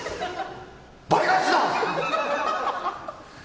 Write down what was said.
倍返しだ！